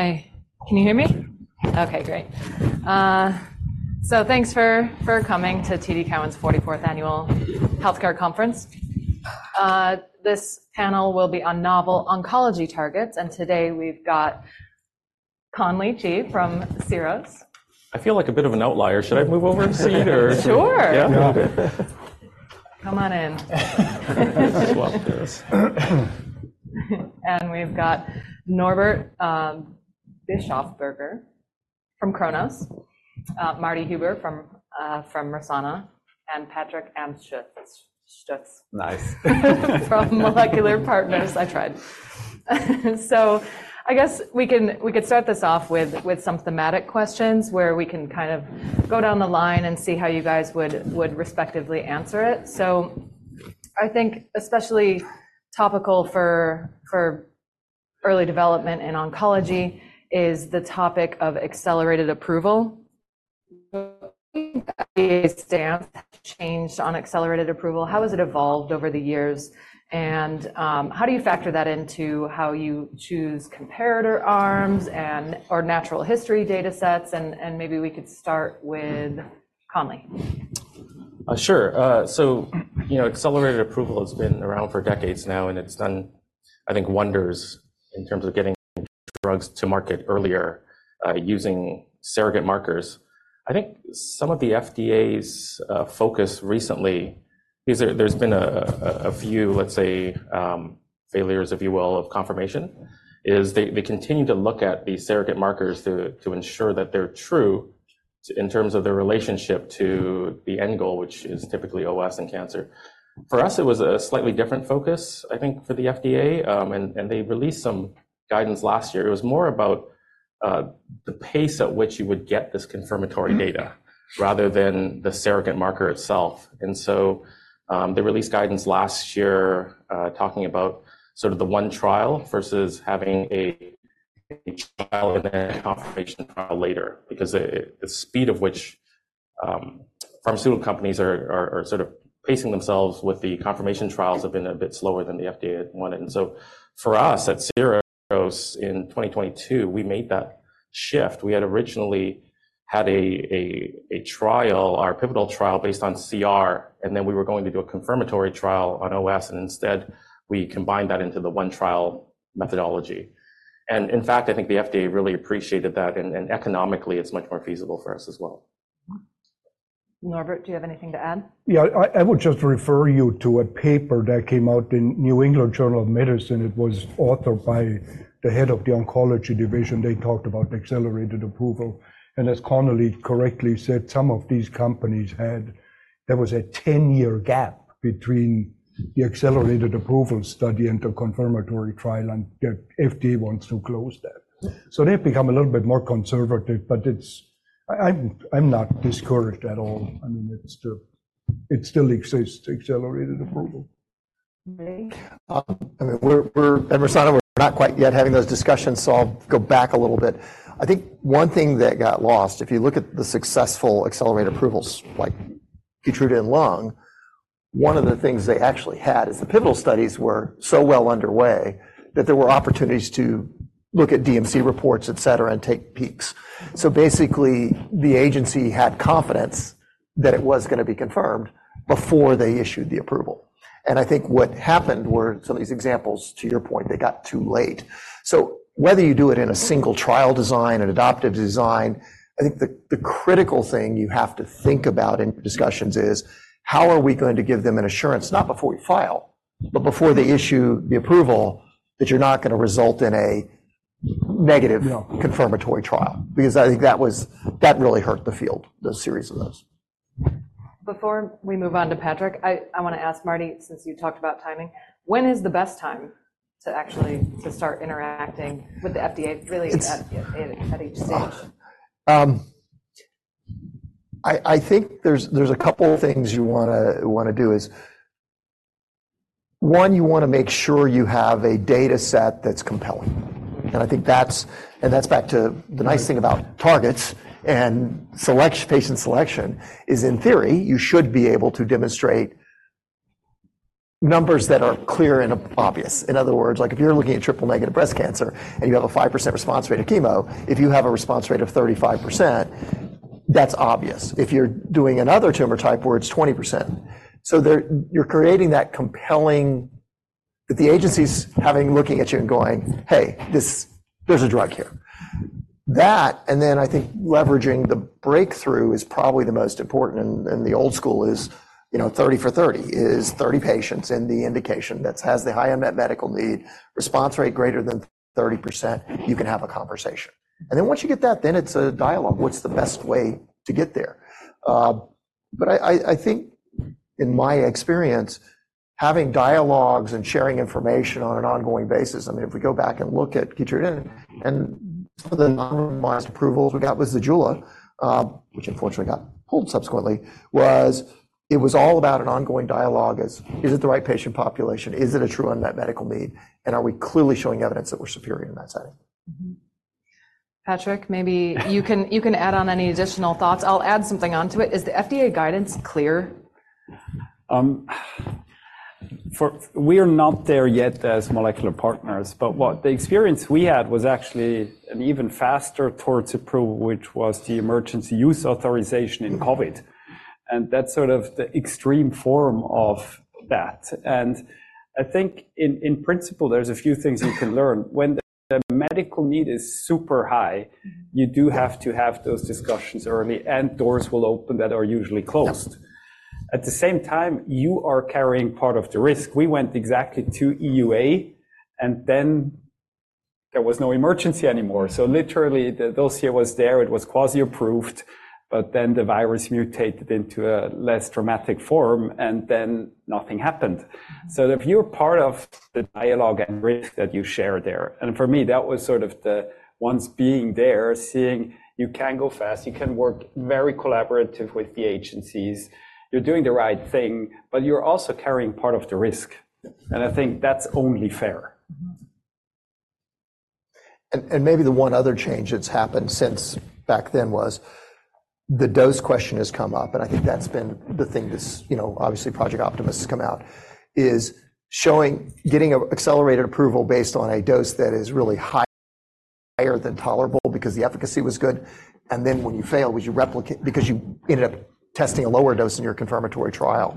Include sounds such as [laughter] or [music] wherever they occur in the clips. Hi. Can you hear me? Okay, great. Thanks for coming to TD Cowen's 44th annual healthcare conference. This panel will be on novel oncology targets, and today we've got Conley Chee from Syros. I feel like a bit of an outlier. Should I move over and sit, or? Sure. Yeah, come on in. Swap this. We've got Norbert Bischofberger from Kronos, Martin Huber from Mersana, and Patrick Amstutz. Nice. From Molecular Partners. I tried. So I guess we could start this off with some thematic questions where we can kind of go down the line and see how you guys would respectively answer it. So I think especially topical for early development in oncology is the topic of accelerated approval. What do you think the stance has changed on accelerated approval? How has it evolved over the years, and how do you factor that into how you choose comparator arms or natural history data sets? And maybe we could start with Conley. Sure. So accelerated approval has been around for decades now, and it's done, I think, wonders in terms of getting drugs to market earlier using surrogate markers. I think some of the FDA's focus recently, there's been a few, let's say, failures, if you will, of confirmation, is they continue to look at these surrogate markers to ensure that they're true in terms of their relationship to the end goal, which is typically OS and cancer. For us, it was a slightly different focus, I think, for the FDA, and they released some guidance last year. It was more about the pace at which you would get this confirmatory data rather than the surrogate marker itself. And so they released guidance last year talking about sort of the one trial versus having a trial and then a confirmation trial later, because the speed at which pharmaceutical companies are sort of pacing themselves with the confirmation trials have been a bit slower than the FDA had wanted. And so for us at Syros in 2022, we made that shift. We had originally had a trial, our pivotal trial, based on CR, and then we were going to do a confirmatory trial on OS, and instead we combined that into the one trial methodology. And in fact, I think the FDA really appreciated that, and economically it's much more feasible for us as well. Norbert, do you have anything to add? Yeah, I would just refer you to a paper that came out in the New England Journal of Medicine. It was authored by the head of the oncology division. They talked about accelerated approval. And as Conley correctly said, some of these companies had, there was a 10-year gap between the accelerated approval study and the confirmatory trial, and the FDA wants to close that. So they've become a little bit more conservative, but I'm not discouraged at all. I mean, it still exists, accelerated approval. I mean, we're at Mersana. We're not quite yet having those discussions, so I'll go back a little bit. I think one thing that got lost, if you look at the successful accelerated approvals like Keytruda and Lung, one of the things they actually had is the pivotal studies were so well underway that there were opportunities to look at DMC reports, etc., and take peeks. So basically, the agency had confidence that it was going to be confirmed before they issued the approval. I think what happened were some of these examples, to your point, they got too late. Whether you do it in a single trial design, an adaptive design, I think the critical thing you have to think about in discussions is how are we going to give them an assurance, not before we file, but before they issue the approval, that you're not going to result in a negative confirmatory trial? Because I think that really hurt the field, those series of those. Before we move on to Patrick, I want to ask Marty, since you talked about timing, when is the best time to actually start interacting with the FDA, really, at each stage? I think there's a couple of things you want to do. One, you want to make sure you have a data set that's compelling. And I think that's back to the nice thing about targets and patient selection is, in theory, you should be able to demonstrate numbers that are clear and obvious. In other words, if you're looking at triple-negative breast cancer and you have a 5% response rate of chemo, if you have a response rate of 35%, that's obvious. If you're doing another tumor type where it's 20%, so you're creating that compelling that the agency's looking at you and going, "Hey, there's a drug here." And then I think leveraging the breakthrough is probably the most important. The old school is 30 for 30, is 30 patients and the indication that has the high unmet medical need, response rate greater than 30%, you can have a conversation. Then once you get that, then it's a dialogue. What's the best way to get there? But I think, in my experience, having dialogues and sharing information on an ongoing basis—I mean, if we go back and look at Keytruda and some of the [inaudible] approvals we got with Zejula, which unfortunately got pulled subsequently—was it was all about an ongoing dialogue as, "Is it the right patient population? Is it a true unmet medical need? And are we clearly showing evidence that we're superior in that setting? Patrick, maybe you can add on any additional thoughts. I'll add something onto it. Is the FDA guidance clear? We are not there yet as Molecular Partners, but what the experience we had was actually an even faster towards approval, which was the emergency use authorization in COVID. That's sort of the extreme form of that. I think, in principle, there's a few things you can learn. When the medical need is super high, you do have to have those discussions early, and doors will open that are usually closed. At the same time, you are carrying part of the risk. We went exactly to EUA, and then there was no emergency anymore. So literally, the sphere was there. It was quasi-approved, but then the virus mutated into a less dramatic form, and then nothing happened. So if you're part of the dialogue and risk that you share there, and for me, that was sort of the once being there, seeing you can go fast, you can work very collaboratively with the agencies, you're doing the right thing, but you're also carrying part of the risk. And I think that's only fair. Maybe the one other change that's happened since back then was the dose question has come up, and I think that's been the thing that's obviously Project Optimus has come out, is getting accelerated approval based on a dose that is really higher than tolerable because the efficacy was good. And then when you fail, because you ended up testing a lower dose in your confirmatory trial.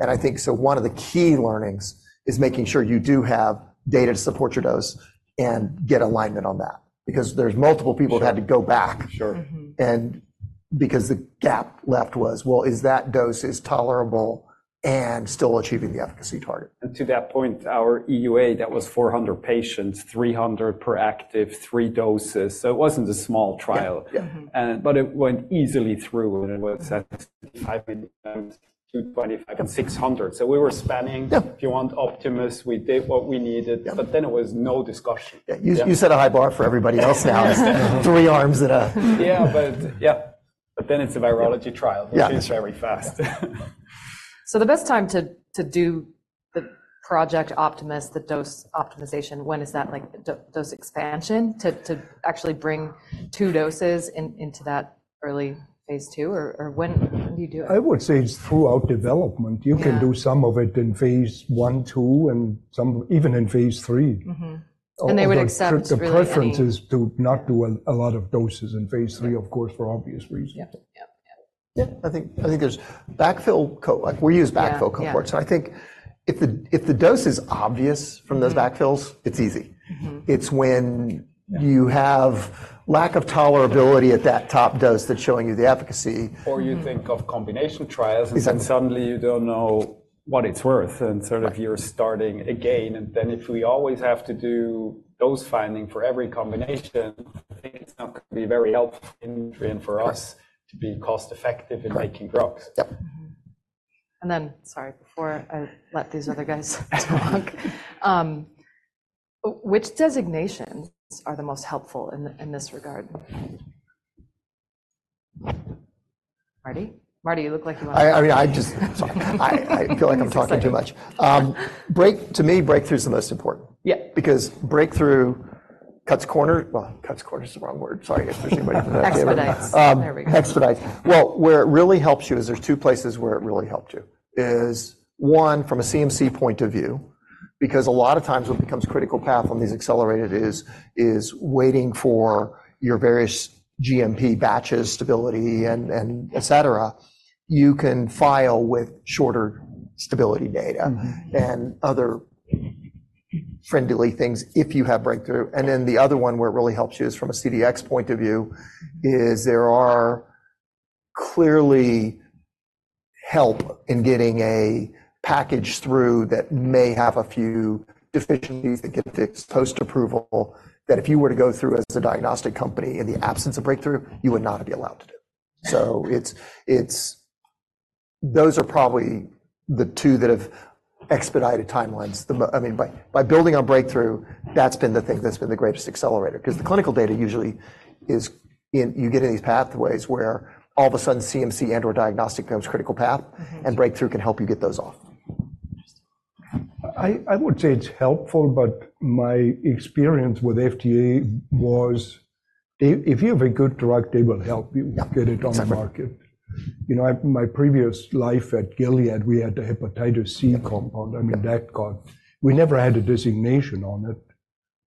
I think so one of the key learnings is making sure you do have data to support your dose and get alignment on that, because there's multiple people that had to go back. And because the gap left was, "Well, is that dose tolerable and still achieving the efficacy target? To that point, our EUA, that was 400 patients, 300 proactive, 3 doses. So it wasn't a small trial, but it went easily through, and it was at 225 and 600. So we were spanning, if you want, Optimus. We did what we needed, but then it was no discussion. Yeah, you set a high bar for everybody else now. It's three arms in a. Yeah, but then it's a virology trial, which is very fast. So the best time to do the Project Optimus, the dose optimization, when is that dose expansion to actually bring 2 doses into that early phase II, or when do you do it? I would say it's throughout development. You can do some of it in phase I, II, and even in phase III. They would accept really quickly. The preference is to not do a lot of doses in phase III, of course, for obvious reasons. Yeah, I think there's backfill cohorts. We use backfill cohorts. I think if the dose is obvious from those backfills, it's easy. It's when you have lack of tolerability at that top dose that's showing you the efficacy. Or you think of combination trials, and suddenly you don't know what it's worth, and sort of you're starting again. And then if we always have to do those findings for every combination, I think it's not going to be very helpful for us to be cost-effective in making drugs. And then, sorry, before I let these other guys talk, which designations are the most helpful in this regard? Marty? Marty, you look like you want to. I mean, I'm just sorry. I feel like I'm talking too much. To me, breakthrough is the most important, because breakthrough cuts corners. Well, cuts corners is the wrong word. Sorry. If there's anybody from that field. There we go. Well, where it really helps you is there's two places where it really helped you. One, from a CMC point of view, because a lot of times what becomes critical path on these accelerated is waiting for your various GMP batches, stability, etc. You can file with shorter stability data and other friendly things if you have breakthrough. And then the other one where it really helps you is from a CDx point of view, is there is clearly help in getting a package through that may have a few deficiencies that get fixed post-approval that if you were to go through as a diagnostic company in the absence of breakthrough, you would not be allowed to do. So those are probably the two that have expedited timelines. I mean, by building on breakthrough, that's been the thing that's been the greatest accelerator, because the clinical data usually is you get in these pathways where all of a sudden CMC and/or diagnostic becomes critical path, and breakthrough can help you get those off. I would say it's helpful, but my experience with FDA was if you have a good drug, they will help you get it on the market. My previous life at Gilead, we had the hepatitis C compound. I mean, we never had a designation on it,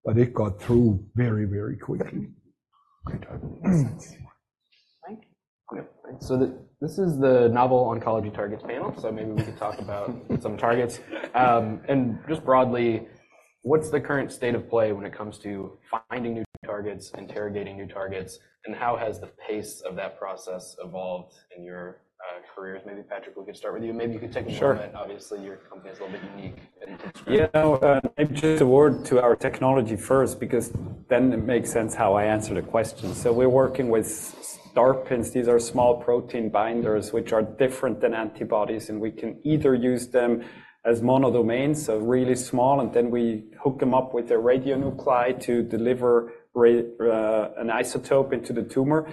but it got through very, very quickly. Thanks. This is the novel oncology targets panel. Maybe we could talk about some targets. Just broadly, what's the current state of play when it comes to finding new targets, interrogating new targets, and how has the pace of that process evolved in your careers? Maybe Patrick, we could start with you. Maybe you could take a moment. Obviously, your company is a little bit unique. Maybe just walk through our technology first, because then it makes sense how I answer the question. So we're working with DARPins. These are small protein binders which are different than antibodies, and we can either use them as monodomains, so really small, and then we hook them up with a radionuclide to deliver an isotope into the tumor,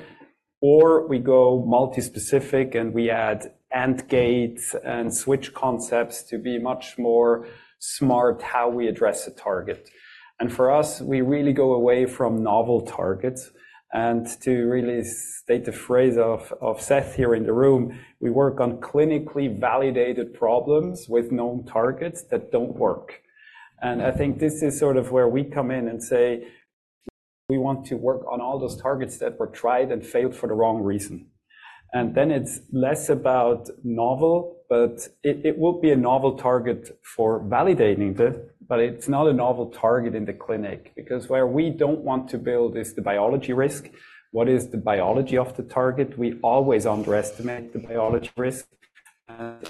or we go multispecific and we add ANTgates and switch concepts to be much more smart how we address a target. And for us, we really go away from novel targets. And to really state the phrase of Seth here in the room, we work on clinically validated problems with known targets that don't work. I think this is sort of where we come in and say, "We want to work on all those targets that were tried and failed for the wrong reason." Then it's less about novel, but it will be a novel target for validating that, but it's not a novel target in the clinic, because where we don't want to build is the biology risk. What is the biology of the target? We always underestimate the biology risk. And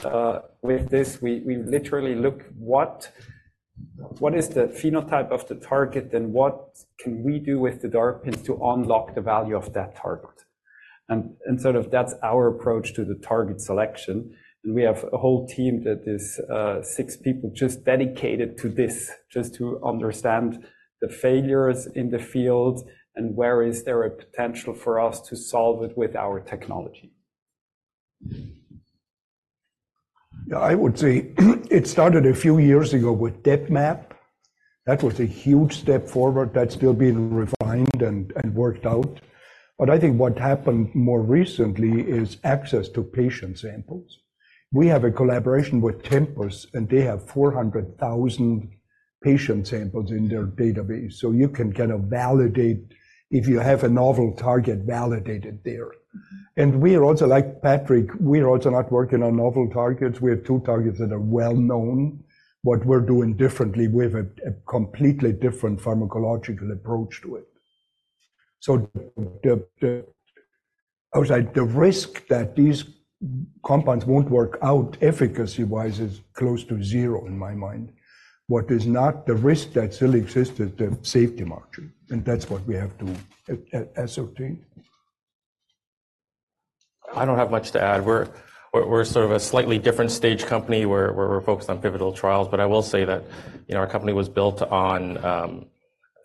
with this, we literally look at what is the phenotype of the target, and what can we do with the DARPins to unlock the value of that target? Sort of that's our approach to the target selection. We have a whole team that is 6 people just dedicated to this, just to understand the failures in the field and where is there a potential for us to solve it with our technology. Yeah, I would say it started a few years ago with DepMap. That was a huge step forward. That's still being refined and worked out. But I think what happened more recently is access to patient samples. We have a collaboration with Tempus, and they have 400,000 patient samples in their database. So you can kind of validate if you have a novel target validated there. And we are also, like Patrick, we are also not working on novel targets. We have two targets that are well known. What we're doing differently, we have a completely different pharmacological approach to it. So I would say the risk that these compounds won't work out efficacy-wise is close to zero in my mind. What is not the risk that still exists, is the safety margin. And that's what we have to ascertain. I don't have much to add. We're sort of a slightly different stage company where we're focused on pivotal trials. But I will say that our company was built on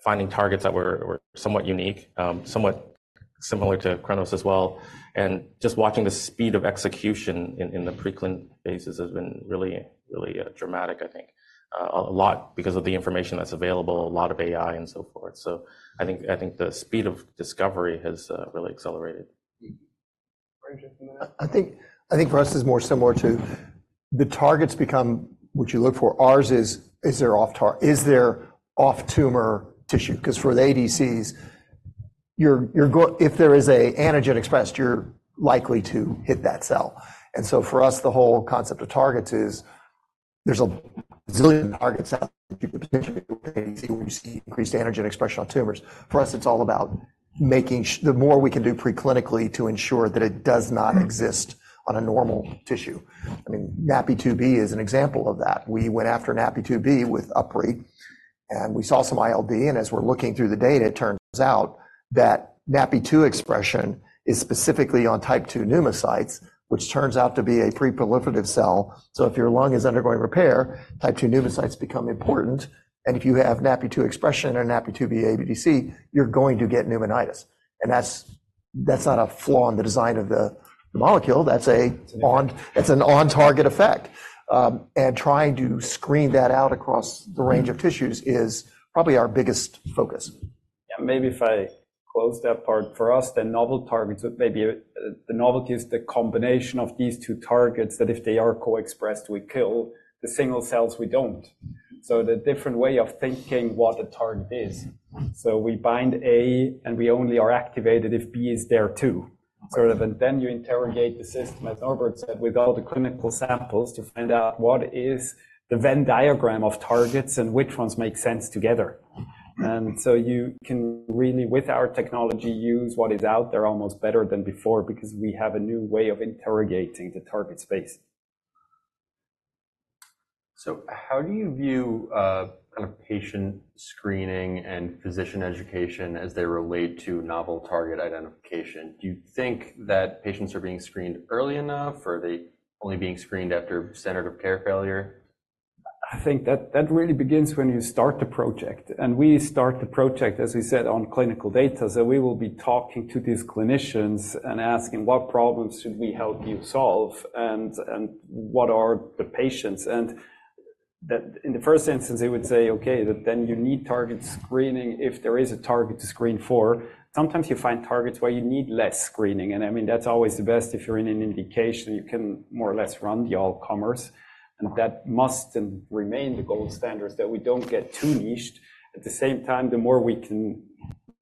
finding targets that were somewhat unique, somewhat similar to Kronos as well. And just watching the speed of execution in the preclinical phases has been really dramatic, I think, a lot because of the information that's available, a lot of AI, and so forth. So I think the speed of discovery has really accelerated. I think for us, it's more similar to the targets become what you look for. Ours is, is there off-tumor tissue? Because for the ADCs, if there is an antigen expressed, you're likely to hit that cell. And so for us, the whole concept of targets is there's a zillion targets out that you could potentially hit with ADC when you see increased antigen expression on tumors. For us, it's all about making sure the more we can do preclinically to ensure that it does not exist on a normal tissue. I mean, NaPi2b is an example of that. We went after NaPi2b with UpRi, and we saw some ILD. And as we're looking through the data, it turns out that NaPi2b expression is specifically on type 2 pneumocytes, which turns out to be a preproliferative cell. So if your lung is undergoing repair, type 2 pneumocytes become important. If you have NaPi2b expression and NaPi2b ADC, you're going to get pneumonitis. That's not a flaw in the design of the molecule. That's an on-target effect. Trying to screen that out across the range of tissues is probably our biggest focus. Yeah, maybe if I close that part for us, then novel targets, maybe the novelty is the combination of these two targets that if they are co-expressed, we kill the single cells we don't. So the different way of thinking what a target is. So we bind A, and we only are activated if B is there too, sort of. And then you interrogate the system, as Norbert said, without the clinical samples to find out what is the Venn diagram of targets and which ones make sense together. And so you can really, with our technology, use what is out there almost better than before, because we have a new way of interrogating the target space. How do you view kind of patient screening and physician education as they relate to novel target identification? Do you think that patients are being screened early enough, or are they only being screened after standard of care failure? I think that really begins when you start the project. And we start the project, as we said, on clinical data. So we will be talking to these clinicians and asking, "What problems should we help you solve? And what are the patients?" And in the first instance, they would say, "Okay, then you need target screening. If there is a target to screen for, sometimes you find targets where you need less screening." And I mean, that's always the best if you're in an indication. You can more or less run the all-comers. And that must remain the gold standard, that we don't get too niche. At the same time, the more we can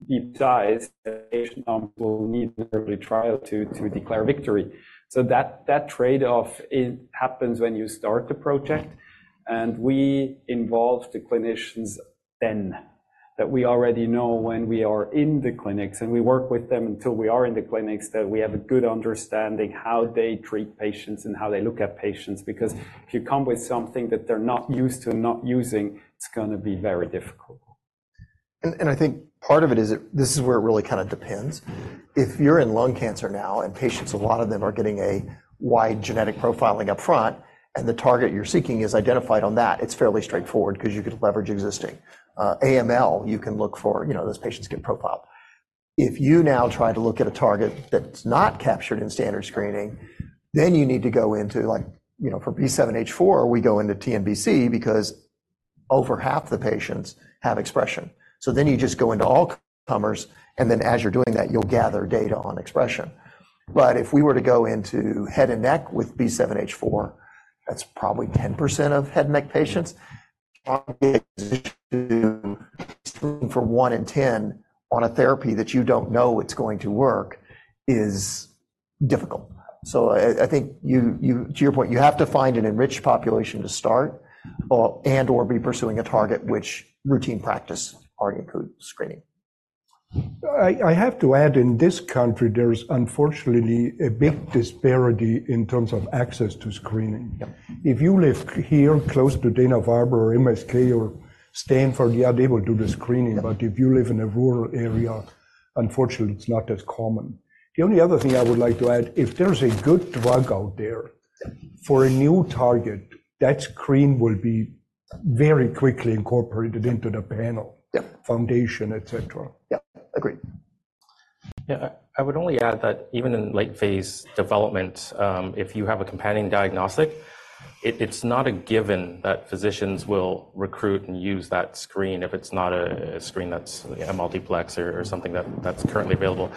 deep-dive, the patient will need an early trial to declare victory. So that trade-off happens when you start the project. We involve the clinicians then, that we already know when we are in the clinics. We work with them until we are in the clinics, that we have a good understanding of how they treat patients and how they look at patients. Because if you come with something that they're not used to not using, it's going to be very difficult. I think part of it is this is where it really kind of depends. If you're in lung cancer now and patients, a lot of them are getting a wide genetic profiling upfront, and the target you're seeking is identified on that, it's fairly straightforward because you could leverage existing. AML, you can look for those patients get profiled. If you now try to look at a target that's not captured in standard screening, then you need to go into for B7-H4, we go into TNBC because over half the patients have expression. So then you just go into all-comers. And then as you're doing that, you'll gather data on expression. But if we were to go into head and neck with B7-H4, that's probably 10% of head and neck patients. Target expression for 1 in 10 on a therapy that you don't know it's going to work is difficult. So I think, to your point, you have to find an enriched population to start and/or be pursuing a target which routine practice already includes screening. I have to add, in this country, there is, unfortunately, a big disparity in terms of access to screening. If you live here close to Dana-Farber or MSK or Stanford, you are able to do the screening. But if you live in a rural area, unfortunately, it's not as common. The only other thing I would like to add, if there is a good drug out there for a new target, that screen will be very quickly incorporated into the panel, foundation, etc. Yeah, agreed. Yeah, I would only add that even in late-phase development, if you have a companion diagnostic, it's not a given that physicians will recruit and use that screen if it's not a screen that's a multiplex or something that's currently available.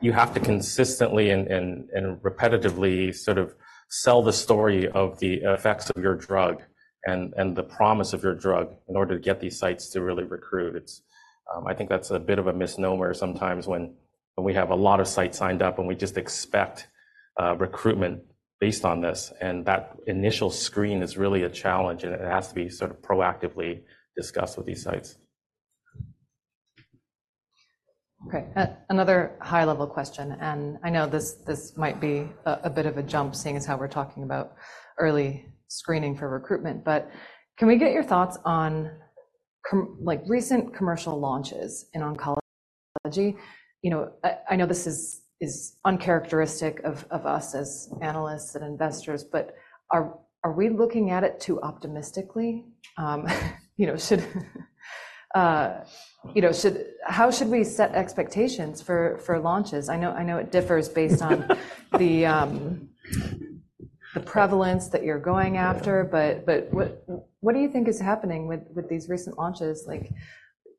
You have to consistently and repetitively sort of sell the story of the effects of your drug and the promise of your drug in order to get these sites to really recruit. I think that's a bit of a misnomer sometimes when we have a lot of sites signed up and we just expect recruitment based on this. That initial screen is really a challenge, and it has to be sort of proactively discussed with these sites. Okay, another high-level question. And I know this might be a bit of a jump, seeing as how we're talking about early screening for recruitment. But can we get your thoughts on recent commercial launches in oncology? I know this is uncharacteristic of us as analysts and investors, but are we looking at it too optimistically? How should we set expectations for launches? I know it differs based on the prevalence that you're going after, but what do you think is happening with these recent launches like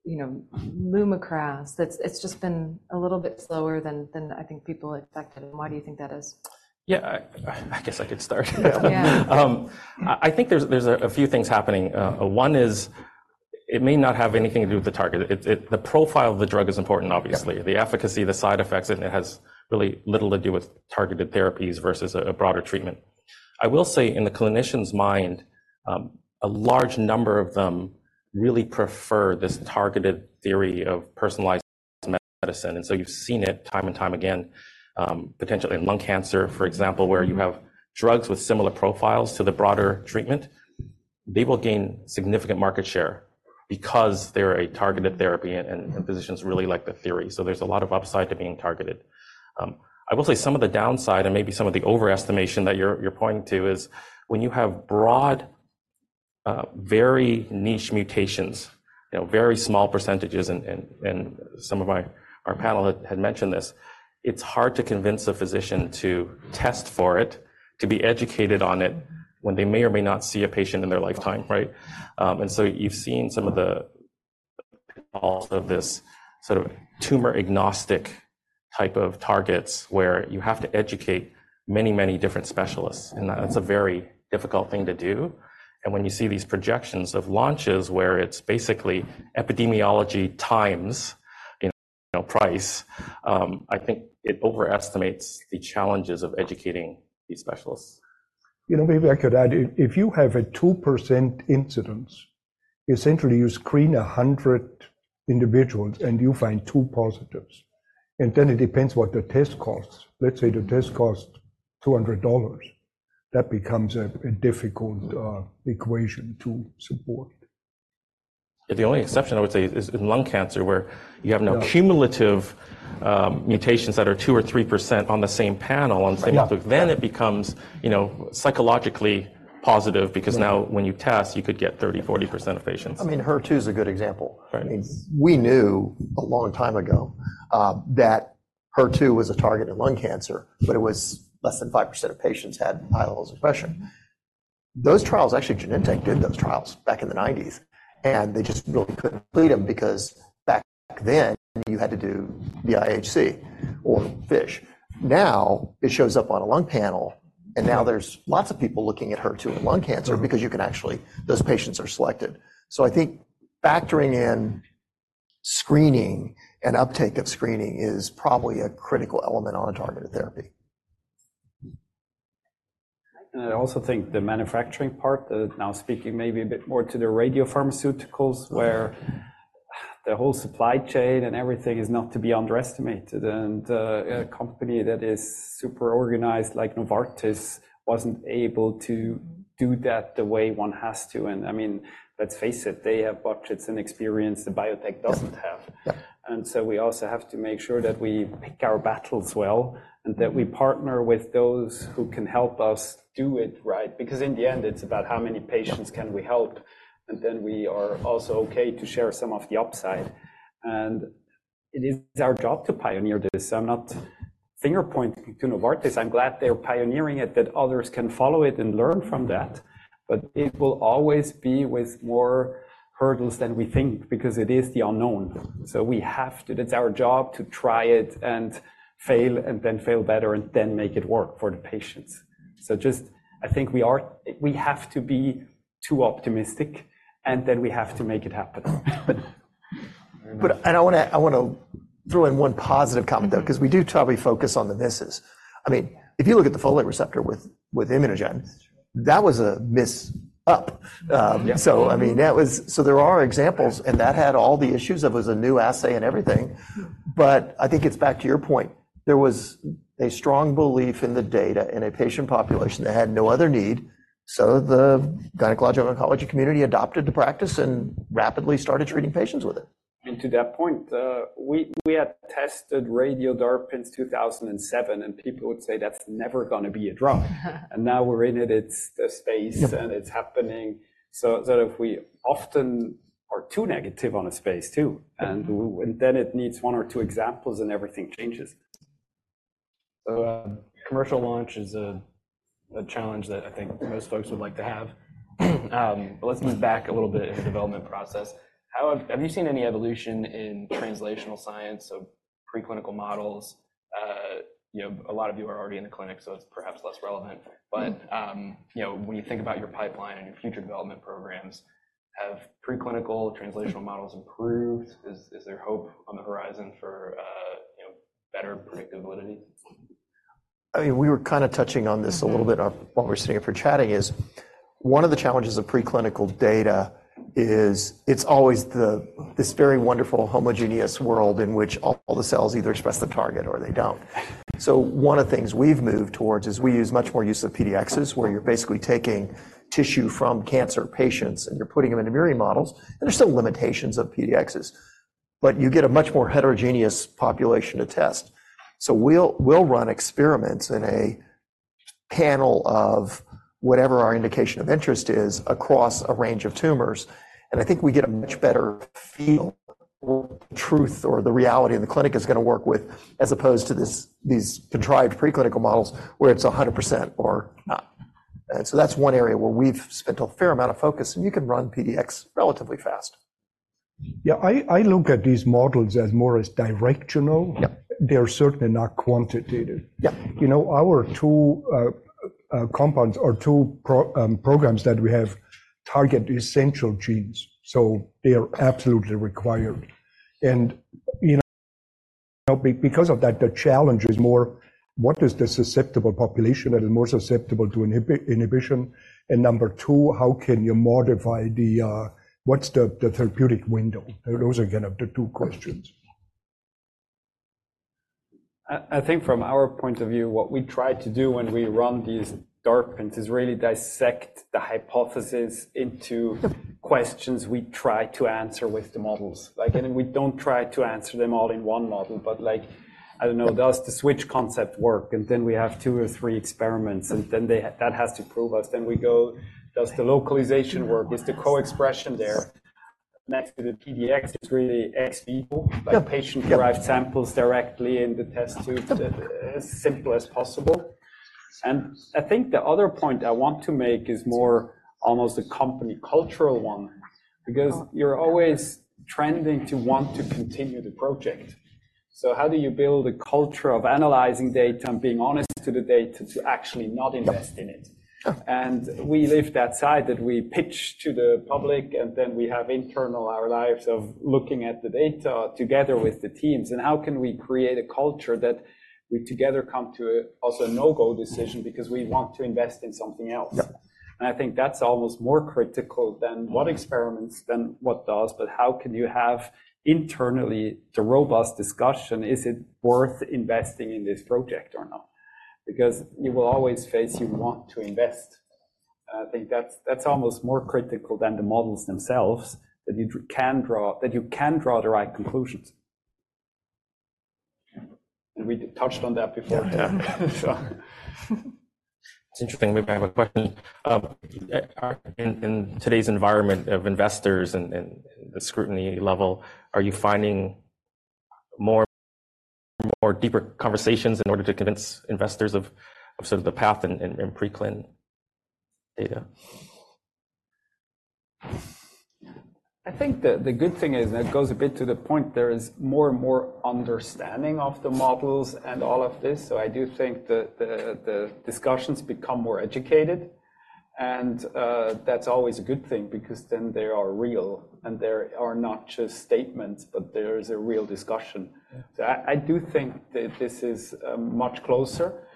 Lumakras? It's just been a little bit slower than I think people expected. And why do you think that is? Yeah, I guess I could start. I think there's a few things happening. One is it may not have anything to do with the target. The profile of the drug is important, obviously, the efficacy, the side effects, and it has really little to do with targeted therapies versus a broader treatment. I will say, in the clinician's mind, a large number of them really prefer this targeted theory of personalized medicine. And so you've seen it time and time again, potentially in lung cancer, for example, where you have drugs with similar profiles to the broader treatment. They will gain significant market share because they're a targeted therapy, and physicians really like the theory. So there's a lot of upside to being targeted. I will say some of the downside and maybe some of the overestimation that you're pointing to is when you have broad, very niche mutations, very small percentages, and some of our panel had mentioned this, it's hard to convince a physician to test for it, to be educated on it when they may or may not see a patient in their lifetime, right? And so you've seen some of the falls of this sort of tumor-agnostic type of targets where you have to educate many, many different specialists. And that's a very difficult thing to do. And when you see these projections of launches where it's basically epidemiology times price, I think it overestimates the challenges of educating these specialists. Maybe I could add. If you have a 2% incidence, essentially, you screen 100 individuals, and you find 2 positives. And then it depends what the test costs. Let's say the test costs $200. That becomes a difficult equation to support. Yeah, the only exception, I would say, is in lung cancer where you have no cumulative mutations that are 2% or 3% on the same panel, on the same outlook. Then it becomes psychologically positive because now when you test, you could get 30%-40% of patients. I mean, HER2 is a good example. I mean, we knew a long time ago that HER2 was a target in lung cancer, but it was less than 5% of patients had high levels of expression. Those trials, actually, Genentech did those trials back in the 1990s, and they just really couldn't complete them because back then you had to do IHC or FISH. Now it shows up on a lung panel, and now there's lots of people looking at HER2 in lung cancer because you can actually those patients are selected. So I think factoring in screening and uptake of screening is probably a critical element on a targeted therapy. I also think the manufacturing part, now speaking maybe a bit more to the radiopharmaceuticals, where the whole supply chain and everything is not to be underestimated. A company that is super organized like Novartis wasn't able to do that the way one has to. And I mean, let's face it, they have budgets and experience the biotech doesn't have. And so we also have to make sure that we pick our battles well and that we partner with those who can help us do it right. Because in the end, it's about how many patients can we help? And then we are also okay to share some of the upside. And it is our job to pioneer this. So I'm not finger-pointing to Novartis. I'm glad they're pioneering it, that others can follow it and learn from that. But it will always be with more hurdles than we think because it is the unknown. So it's our job to try it and fail and then fail better and then make it work for the patients. So just, I think, we have to be too optimistic, and then we have to make it happen. I want to throw in one positive comment, though, because we do probably focus on the misses. I mean, if you look at the folate receptor with ImmunoGen, that was a mishap. So I mean, so there are examples, and that had all the issues. It was a new assay and everything. But I think it's back to your point. There was a strong belief in the data in a patient population that had no other need. So the gynecologic oncology community adopted the practice and rapidly started treating patients with it. To that point, we had tested Radio-DARPin since 2007, and people would say that's never going to be a drug. And now we're in it. It's the space, and it's happening. So we often are too negative on a space too. And then it needs one or two examples, and everything changes. Commercial launch is a challenge that I think most folks would like to have. But let's move back a little bit in the development process. Have you seen any evolution in translational science, so preclinical models? A lot of you are already in the clinic, so it's perhaps less relevant. But when you think about your pipeline and your future development programs, have preclinical translational models improved? Is there hope on the horizon for better predictability? I mean, we were kind of touching on this a little bit while we're sitting here for chatting. One of the challenges of preclinical data is it's always this very wonderful, homogeneous world in which all the cells either express the target or they don't. So one of the things we've moved towards is we use much more use of PDXs where you're basically taking tissue from cancer patients, and you're putting them into murine models. There's still limitations of PDXs, but you get a much more heterogeneous population to test. So we'll run experiments in a panel of whatever our indication of interest is across a range of tumors. I think we get a much better feel of the truth or the reality in the clinic it's going to work with, as opposed to these contrived preclinical models where it's 100% or not. And so that's one area where we've spent a fair amount of focus, and you can run PDX relatively fast. Yeah, I look at these models as more as directional. They're certainly not quantitative. Our two compounds or two programs that we have target essential genes, so they are absolutely required. And because of that, the challenge is more, what is the susceptible population that is more susceptible to inhibition? And number 2, how can you modify the what's the therapeutic window? Those are kind of the two questions. I think from our point of view, what we try to do when we run these DARPins is really dissect the hypothesis into questions we try to answer with the models. And we don't try to answer them all in one model. But I don't know. Does the switch concept work? And then we have two or three experiments, and then that has to prove us. Then we go, does the localization work? Is the co-expression there? Next to the PDX, it's really ex vivo patient-derived samples directly in the test tube, as simple as possible. And I think the other point I want to make is more almost a company cultural one because you're always tending to want to continue the project. So how do you build a culture of analyzing data and being honest to the data to actually not invest in it? We live that side that we pitch to the public, and then we have internal our lives of looking at the data together with the teams. And how can we create a culture that we together come to also a no-go decision because we want to invest in something else? And I think that's almost more critical than what experiments than what does. But how can you have internally the robust discussion, is it worth investing in this project or not? Because you will always face you want to invest. And I think that's almost more critical than the models themselves, that you can draw the right conclusions. And we touched on that before, so. It's interesting. Maybe I have a question. In today's environment of investors and the scrutiny level, are you finding more deeper conversations in order to convince investors of sort of the path in preclinical data? I think the good thing is, and it goes a bit to the point, there is more and more understanding of the models and all of this. So I do think the discussions become more educated. And that's always a good thing because then they are real, and they are not just statements, but there is a real discussion. So I do think that this is much closer.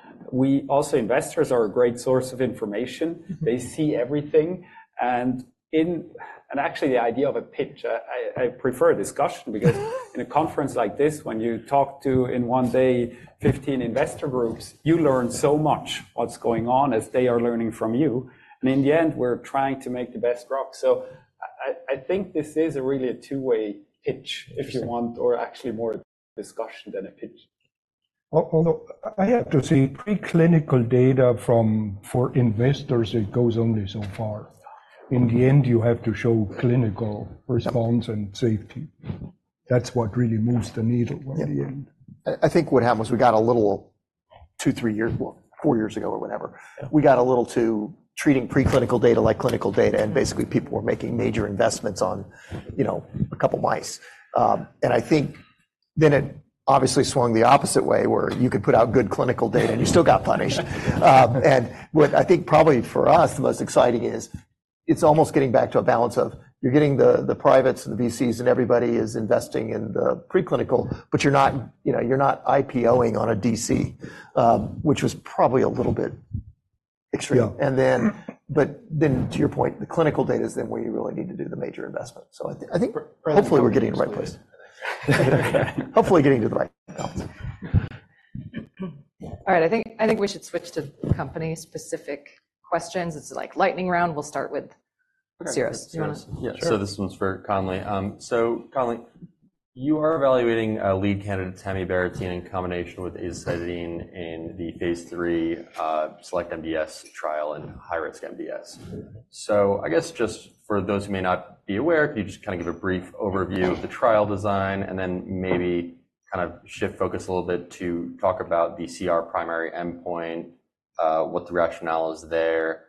Also, investors are a great source of information. They see everything. And actually, the idea of a pitch, I prefer discussion because in a conference like this, when you talk to in one day 15 investor groups, you learn so much what's going on as they are learning from you. And in the end, we're trying to make the best drug. So I think this is really a two-way pitch, if you want, or actually more discussion than a pitch. Although I have to say, preclinical data for investors, it goes only so far. In the end, you have to show clinical response and safety. That's what really moves the needle in the end. I think what happened was we got a little two, three years, four years ago or whenever, we got a little too treating preclinical data like clinical data. And basically, people were making major investments on a couple of mice. And I think then it obviously swung the opposite way where you could put out good clinical data, and you still got punishment. And what I think probably for us, the most exciting is it's almost getting back to a balance of you're getting the privates and the VCs, and everybody is investing in the preclinical, but you're not IPOing on a DC, which was probably a little bit extreme. But then to your point, the clinical data is then where you really need to do the major investment. So I think hopefully, we're getting to the right place. Hopefully, getting to the right conference. All right. I think we should switch to company-specific questions. It's like lightning round. We'll start with Syros. Do you want to? So this one's for Conley. So Conley, you are evaluating a lead candidate, tamibarotene, in combination with azacitidine in the phase III SELECT-MDS-1 trial and high-risk MDS. So I guess just for those who may not be aware, can you just kind of give a brief overview of the trial design and then maybe kind of shift focus a little bit to talk about the CR primary endpoint, what the rationale is there,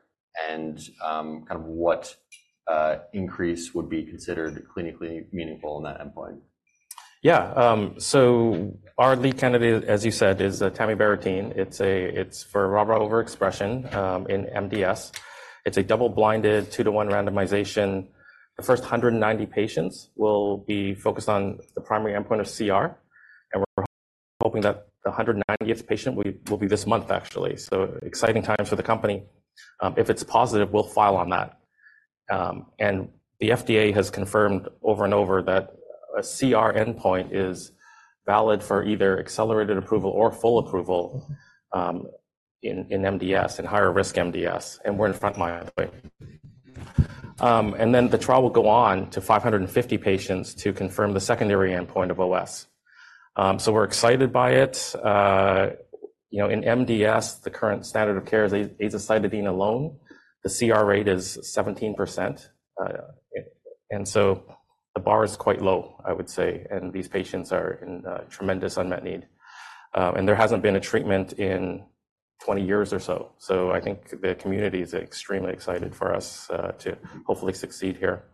and kind of what increase would be considered clinically meaningful in that endpoint? Yeah. So our lead candidate, as you said, is tamibarotene. It's for RARA overexpression in MDS. It's a double-blinded two-to-one randomization. The first 190 patients will be focused on the primary endpoint of CR. And we're hoping that the 190th patient will be this month, actually. So exciting times for the company. If it's positive, we'll file on that. And the FDA has confirmed over and over that a CR endpoint is valid for either accelerated approval or full approval in MDS and higher-risk MDS. And we're in front line, by the way. And then the trial will go on to 550 patients to confirm the secondary endpoint of OS. So we're excited by it. In MDS, the current standard of care is azacitidine alone. The CR rate is 17%. And so the bar is quite low, I would say. And these patients are in tremendous unmet need. There hasn't been a treatment in 20 years or so. So I think the community is extremely excited for us to hopefully succeed here.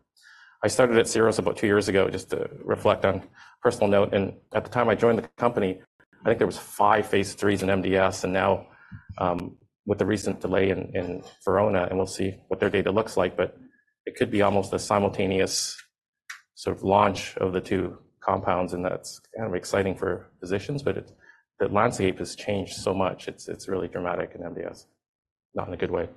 I started at Syros about two years ago just to reflect on a personal note. And at the time I joined the company, I think there was five phase IIIs in MDS. And now with the recent delay in VERONA, and we'll see what their data looks like. But it could be almost the simultaneous sort of launch of the two compounds. And that's kind of exciting for physicians. But the landscape has changed so much. It's really dramatic in MDS, not in a good way.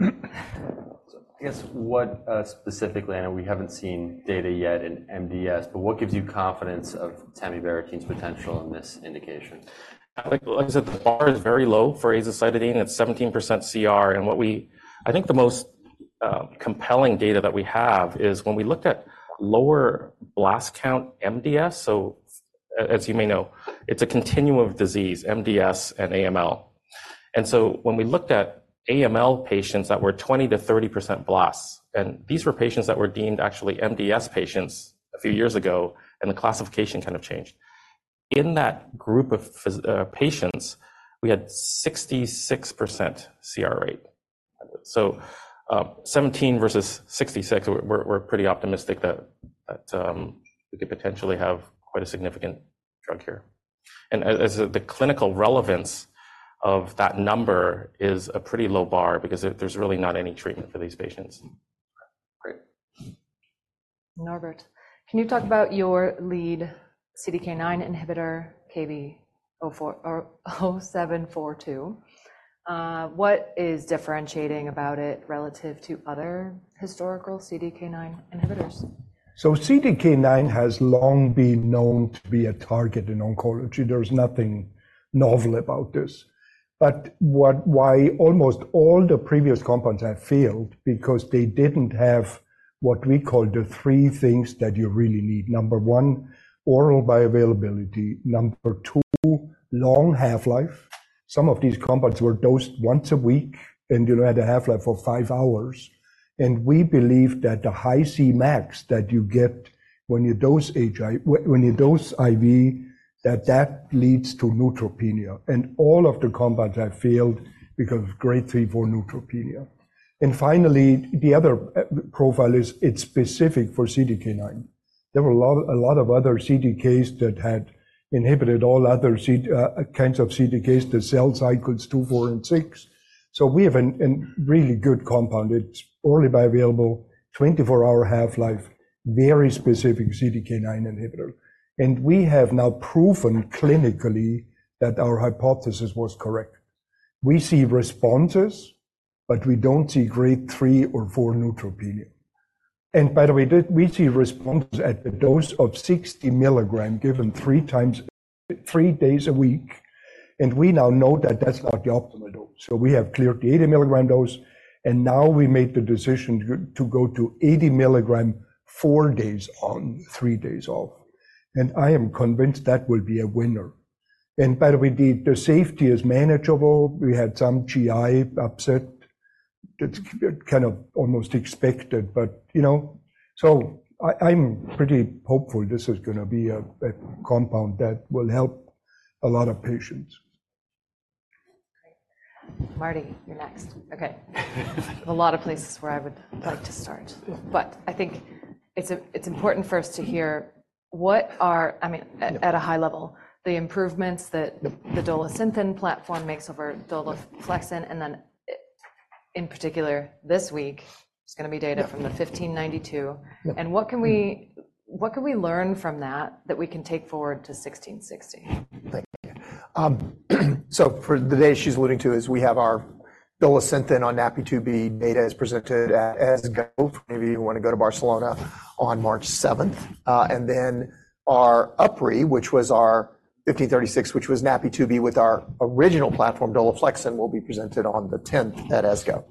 I guess what specifically I know we haven't seen data yet in MDS, but what gives you confidence of tamibarotene's potential in this indication? Like I said, the bar is very low for Azacitidine. It's 17% CR. I think the most compelling data that we have is when we looked at lower blast count MDS. So as you may know, it's a continuum of disease, MDS and AML. And so when we looked at AML patients that were 20%-30% blasts and these were patients that were deemed actually MDS patients a few years ago, and the classification kind of changed. In that group of patients, we had 66% CR rate. So 17 versus 66, we're pretty optimistic that we could potentially have quite a significant drug here. And the clinical relevance of that number is a pretty low bar because there's really not any treatment for these patients. Great. Norbert, can you talk about your lead CDK9 inhibitor, KB-0742? What is differentiating about it relative to other historical CDK9 inhibitors? So CDK9 has long been known to be a target in oncology. There's nothing novel about this. But why almost all the previous compounds have failed? Because they didn't have what we call the 3 things that you really need. Number one, oral bioavailability. Number two, long half-life. Some of these compounds were dosed once a week and had a half-life of 5 hours. And we believe that the high Cmax that you get when you dose IV, that that leads to neutropenia. And all of the compounds have failed because of grade 3-4 neutropenia. And finally, the other profile is it's specific for CDK9. There were a lot of other CDKs that had inhibited all other kinds of CDKs, the cell cycles 2, 4, and 6. So we have a really good compound. It's orally bioavailable, 24-hour half-life, very specific CDK9 inhibitor. We have now proven clinically that our hypothesis was correct. We see responses, but we don't see grade 3 or 4 neutropenia. By the way, we see responses at the dose of 60 milligrams given 3 days a week. We now know that that's not the optimal dose. So we have cleared the 80 milligram dose. Now we made the decision to go to 80 milligrams 4 days on, 3 days off. I am convinced that will be a winner. By the way, the safety is manageable. We had some GI upset. It's kind of almost expected. So I'm pretty hopeful this is going to be a compound that will help a lot of patients. Marty, you're next. Okay. A lot of places where I would like to start. But I think it's important for us to hear what are, I mean, at a high level, the improvements that the Dolasynthen platform makes over Dolaflexin. And then in particular, this week, it's going to be data from the XMT-1592. And what can we learn from that that we can take forward to XMT-1660? Thank you. So the day she's alluding to is we have our Dolasynthen on NaPi2b data is presented at ESGO. Maybe you want to go to Barcelona on March 7th. And then our UpRi, which was our XMT-1536, which was NaPi2b with our original platform, Dolaflexin, will be presented on the 10th at ESGO.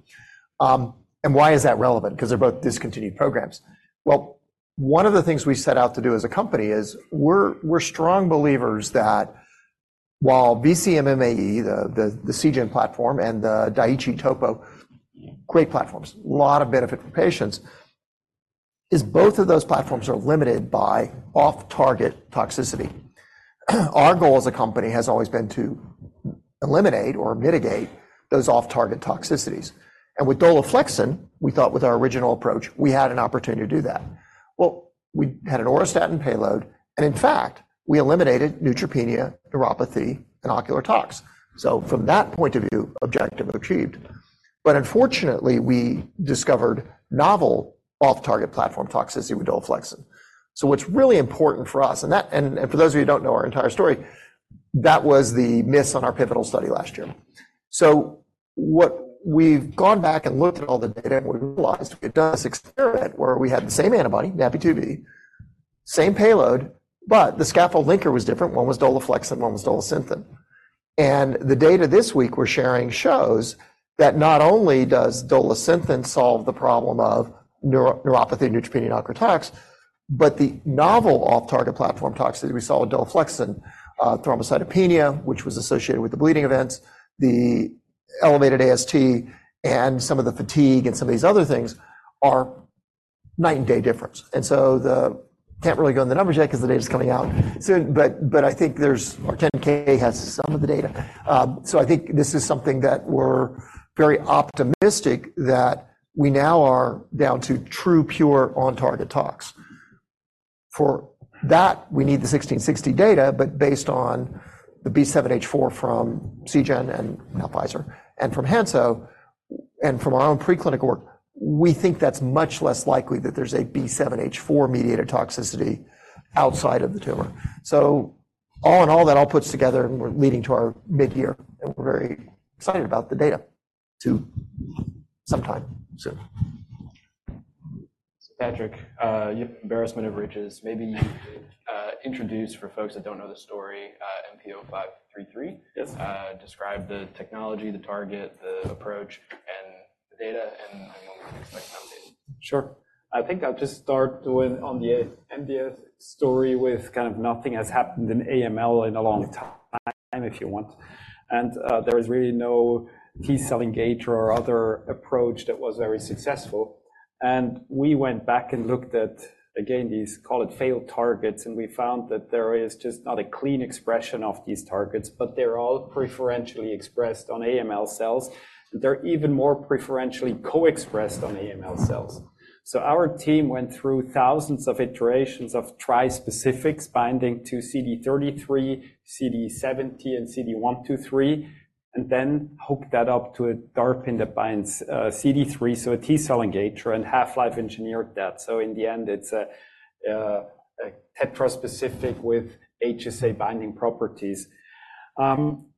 And why is that relevant? Because they're both discontinued programs. Well, one of the things we set out to do as a company is we're strong believers that while vc-MMAE, the Seagen platform, and the Daiichi Sankyo Topo, great platforms, a lot of benefit for patients, both of those platforms are limited by off-target toxicity. Our goal as a company has always been to eliminate or mitigate those off-target toxicities. And with Dolaflexin, we thought with our original approach, we had an opportunity to do that. Well, we had an Auristatin payload. In fact, we eliminated neutropenia, neuropathy, and ocular tox. So from that point of view, objective achieved. But unfortunately, we discovered novel off-target platform toxicity with Dolaflexin. So what's really important for us and for those of you who don't know our entire story, that was the miss on our pivotal study last year. So we've gone back and looked at all the data, and we realized we had done this experiment where we had the same antibody, NaPi2b, same payload, but the scaffold linker was different. One was Dolaflexin. One was Dolasynthen. The data this week we're sharing shows that not only does Dolasynthen solve the problem of neuropathy, neutropenia, and ocular tox, but the novel off-target platform toxicity we saw with Dolaflexin, thrombocytopenia, which was associated with the bleeding events, the elevated AST, and some of the fatigue and some of these other things are night and day difference. So I can't really go into the numbers yet because the data is coming out soon. But I think our 10-K has some of the data. So I think this is something that we're very optimistic that we now are down to true, pure, on-target tox. For that, we need the XMT-1660 data. But based on the B7-H4 from Seagen and now Pfizer and from Hansoh and from our own preclinical work, we think that's much less likely that there's a B7-H4 mediated toxicity outside of the tumor. All in all, that all puts together, and we're leading to our mid-year. We're very excited about the data sometime soon. Patrick, embarrassment of riches. Maybe you could introduce, for folks that don't know the story, MP0533, describe the technology, the target, the approach, and the data, and when we can expect findings. Sure. I think I'll just start doing on the MDS story with kind of nothing has happened in AML in a long time, if you want. There is really no T-cell engager or other approach that was very successful. We went back and looked at, again, these call it failed targets. We found that there is just not a clean expression of these targets, but they're all preferentially expressed on AML cells. They're even more preferentially co-expressed on AML cells. So our team went through thousands of iterations of trispecifics binding to CD33, CD70, and CD123, and then hooked that up to a DARPin that binds CD3. So a T-cell engager and half-life engineered that. So in the end, it's a tetra-specific with HSA binding properties.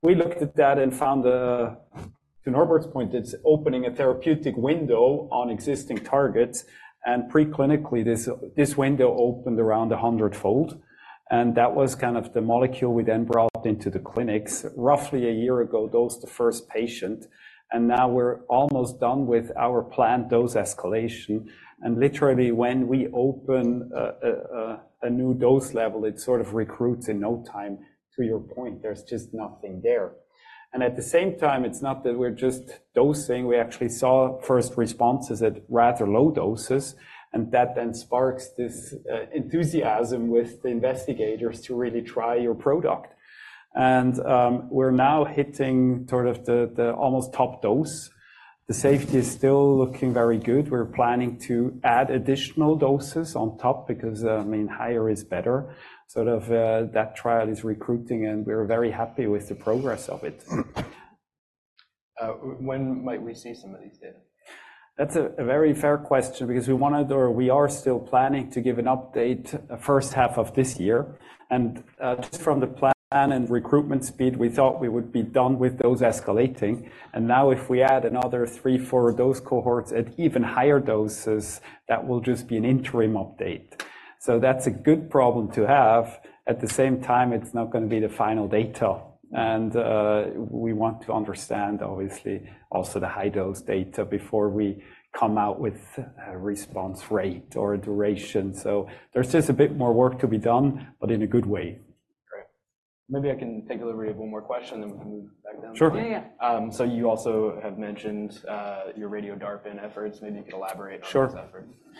We looked at that and found, to Norbert's point, it's opening a therapeutic window on existing targets. Preclinically, this window opened around a hundredfold. That was kind of the molecule we then brought into the clinics roughly a year ago, dosed the first patient. Now we're almost done with our planned dose escalation. Literally, when we open a new dose level, it sort of recruits in no time. To your point, there's just nothing there. At the same time, it's not that we're just dosing. We actually saw first responses at rather low doses. That then sparks this enthusiasm with the investigators to really try your product. We're now hitting sort of the almost top dose. The safety is still looking very good. We're planning to add additional doses on top because, I mean, higher is better. That trial is recruiting. We're very happy with the progress of it. When might we see some of these data? That's a very fair question because we wanted or we are still planning to give an update first half of this year. And just from the plan and recruitment speed, we thought we would be done with dose escalating. And now if we add another three, four dose cohorts at even higher doses, that will just be an interim update. So that's a good problem to have. At the same time, it's not going to be the final data. And we want to understand, obviously, also the high-dose data before we come out with a response rate or a duration. So there's just a bit more work to be done, but in a good way. Great. Maybe I can take the liberty of one more question, then we can move back down. Sure. Yeah, yeah, yeah. So you also have mentioned your radio-DARPin efforts. Maybe you could elaborate on those efforts. Sure.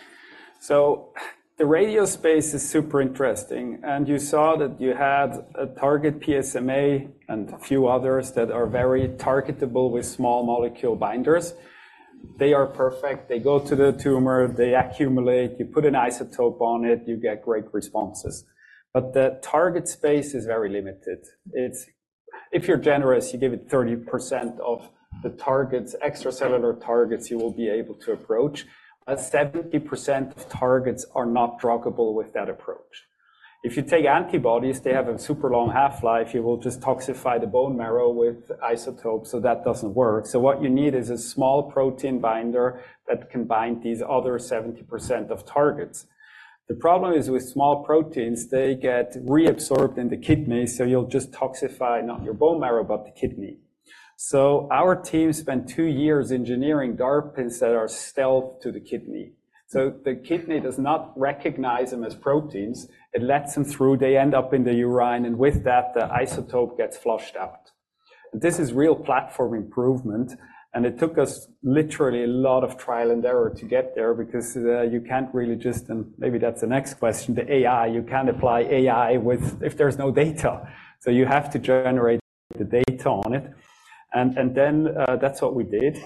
So the radio space is super interesting. And you saw that you had a target PSMA and a few others that are very targetable with small molecule binders. They are perfect. They go to the tumor. They accumulate. You put an isotope on it. You get great responses. But the target space is very limited. If you're generous, you give it 30% of the extracellular targets you will be able to approach. 70% of targets are not druggable with that approach. If you take antibodies, they have a super long half-life. You will just toxify the bone marrow with isotopes. So that doesn't work. So what you need is a small protein binder that can bind these other 70% of targets. The problem is with small proteins, they get reabsorbed in the kidney. So you'll just toxify not your bone marrow, but the kidney. So our team spent two years engineering DARPins that are stealth to the kidney. So the kidney does not recognize them as proteins. It lets them through. They end up in the urine. And with that, the isotope gets flushed out. And this is real platform improvement. And it took us literally a lot of trial and error to get there because you can't really just and maybe that's the next question, the AI. You can't apply AI if there's no data. So you have to generate the data on it. And then that's what we did.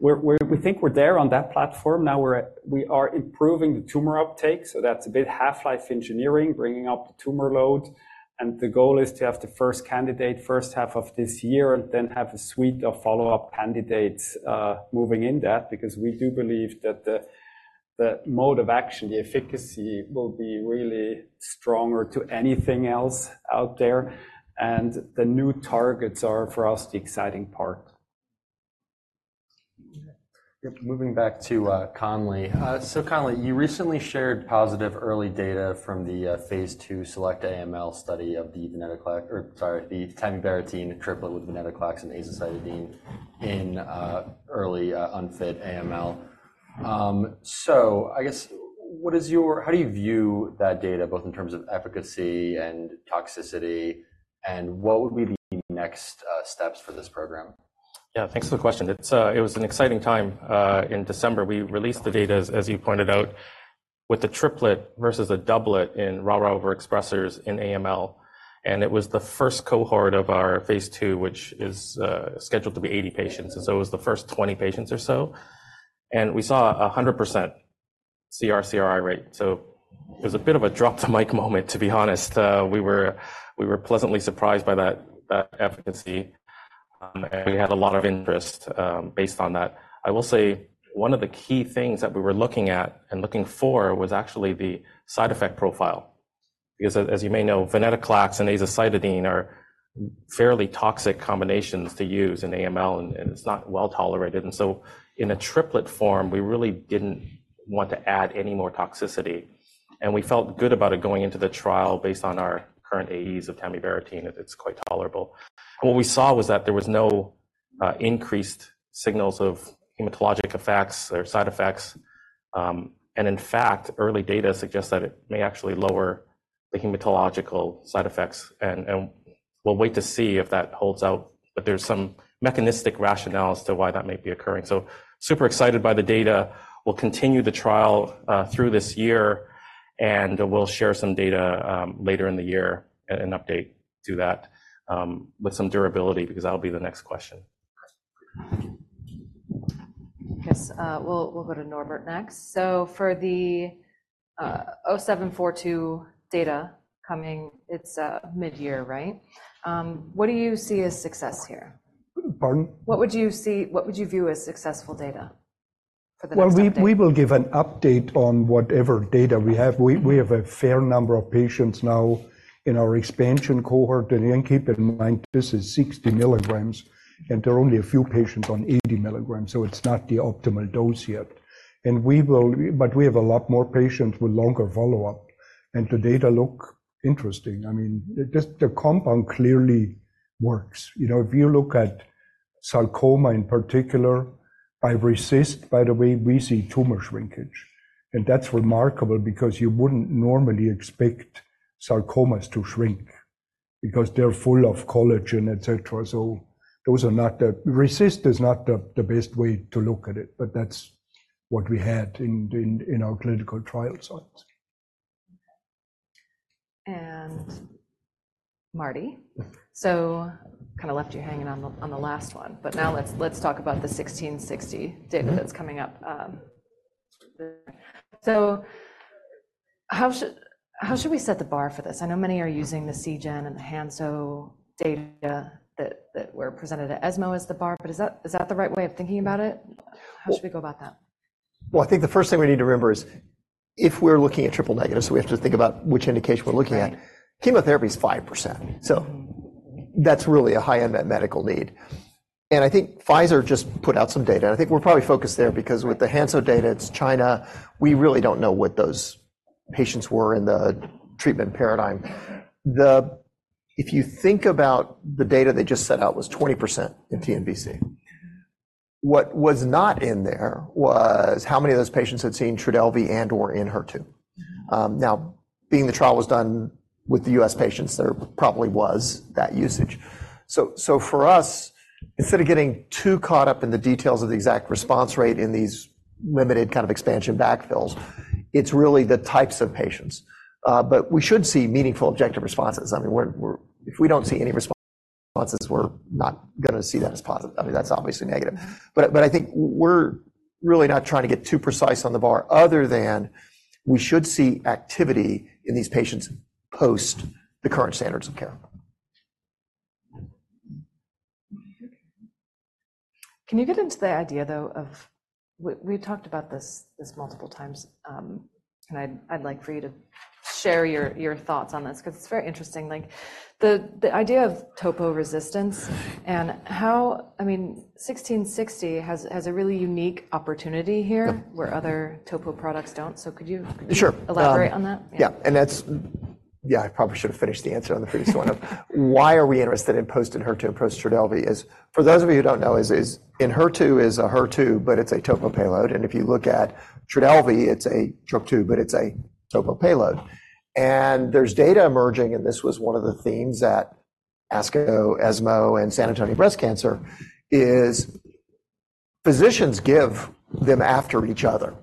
We think we're there on that platform. Now we are improving the tumor uptake. So that's a bit half-life engineering, bringing up the tumor load. The goal is to have the first candidate first half of this year and then have a suite of follow-up candidates moving in that because we do believe that the mode of action, the efficacy, will be really stronger to anything else out there. The new targets are, for us, the exciting part. Yep. Moving back to Conley. So Conley, you recently shared positive early data from the phase II SELECT-AML study of the venetoclax or sorry, the tamibarotene triplet with venetoclax and azacitidine in early unfit AML. So I guess, how do you view that data, both in terms of efficacy and toxicity? And what would be the next steps for this program? Yeah. Thanks for the question. It was an exciting time. In December, we released the data, as you pointed out, with the triplet versus a doublet in RARA overexpressors in AML. It was the first cohort of our phase II, which is scheduled to be 80 patients. So it was the first 20 patients or so. We saw a 100% CR/CRi rate. It was a bit of a drop-the-mic moment, to be honest. We were pleasantly surprised by that efficacy. We had a lot of interest based on that. I will say one of the key things that we were looking at and looking for was actually the side effect profile because, as you may know, venetoclax and azacitidine are fairly toxic combinations to use in AML. It's not well tolerated. So in a triplet form, we really didn't want to add any more toxicity. We felt good about it going into the trial based on our current AEs of Tamibarotene. It's quite tolerable. What we saw was that there was no increased signals of hematologic effects or side effects. In fact, early data suggests that it may actually lower the hematological side effects. We'll wait to see if that holds out. But there's some mechanistic rationale as to why that may be occurring. So super excited by the data. We'll continue the trial through this year. We'll share some data later in the year and update to that with some durability because that'll be the next question. I guess we'll go to Norbert next. So for the 0742 data coming, it's midyear, right? What do you see as success here? Pardon? What would you see what would you view as successful data for the next four years? Well, we will give an update on whatever data we have. We have a fair number of patients now in our expansion cohort. Again, keep in mind, this is 60 milligrams. There are only a few patients on 80 milligrams. It's not the optimal dose yet. We have a lot more patients with longer follow-up. The data look interesting. I mean, the compound clearly works. If you look at sarcoma in particular, by RECIST, by the way, we see tumor shrinkage. That's remarkable because you wouldn't normally expect sarcomas to shrink because they're full of collagen, etc. RECIST is not the best way to look at it. That's what we had in our clinical trial sites. Marty, so kind of left you hanging on the last one. But now let's talk about the 1660 data that's coming up. So how should we set the bar for this? I know many are using the Seagen and the Hansoh data that were presented at ESMO as the bar. But is that the right way of thinking about it? How should we go about that? Well, I think the first thing we need to remember is if we're looking at triple negatives, we have to think about which indication we're looking at. Chemotherapy is 5%. So that's really a high-end medical need. I think Pfizer just put out some data. I think we're probably focused there because with the Hansoh data, it's China. We really don't know what those patients were in the treatment paradigm. If you think about the data they just set out was 20% in TNBC. What was not in there was how many of those patients had seen Trodelvy and/or Enhertu. Now, being the trial was done with the U.S. patients, there probably was that usage. So for us, instead of getting too caught up in the details of the exact response rate in these limited kind of expansion backfills, it's really the types of patients. But we should see meaningful objective responses. I mean, if we don't see any responses, we're not going to see that as positive. I mean, that's obviously negative. But I think we're really not trying to get too precise on the bar other than we should see activity in these patients post the current standards of care. Can you get into the idea, though, of we talked about this multiple times? And I'd like for you to share your thoughts on this because it's very interesting, the idea of toporesistance. And I mean, 1660 has a really unique opportunity here where other topo products don't. So could you elaborate on that? Sure. Yeah. And yeah, I probably should have finished the answer on the previous one of why are we interested in post-Enhertu and post-Trodelvy. For those of you who don't know, Enhertu is a HER2, but it's a topo payload. And if you look at Trodelvy, it's a TROP2, but it's a topo payload. And there's data emerging. And this was one of the themes at ASCO, ESMO, and San Antonio Breast Cancer: physicians give them after each other.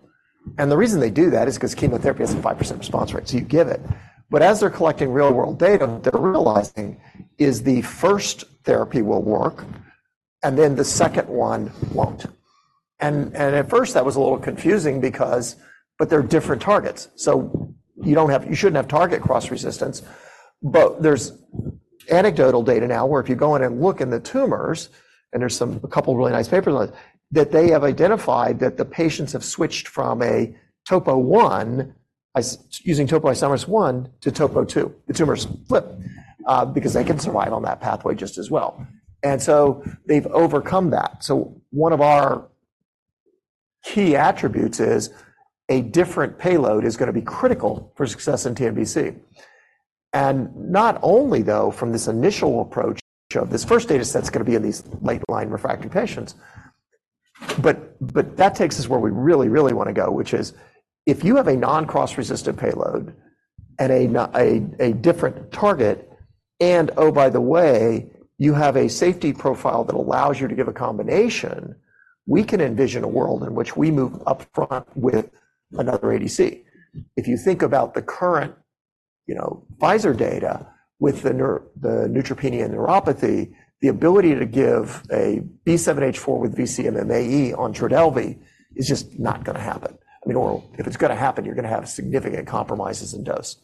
And the reason they do that is because chemotherapy has a 5% response rate. So you give it. But as they're collecting real-world data, what they're realizing is the first therapy will work, and then the second one won't. And at first, that was a little confusing because, but they're different targets. So you shouldn't have target cross-resistance. But there's anecdotal data now where if you go in and look in the tumors - and there's a couple of really nice papers on this - that they have identified that the patients have switched from a topo I using topoisomerase I to topo II. The tumors flip because they can survive on that pathway just as well. And so they've overcome that. So one of our key attributes is a different payload is going to be critical for success in TNBC. And not only, though, from this initial approach of this first data set is going to be in these late-line refractory patients. But that takes us where we really, really want to go, which is if you have a non-cross-resistive payload and a different target and, oh, by the way, you have a safety profile that allows you to give a combination, we can envision a world in which we move upfront with another ADC. If you think about the current Pfizer data with the neutropenia and neuropathy, the ability to give a B7-H4 with vc-MMAE on Trodelvy is just not going to happen. I mean, or if it's going to happen, you're going to have significant compromises in dose.